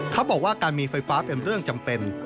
เขาบอกว่าการมีไฟฟ้าเป็นเรื่องจำเป็น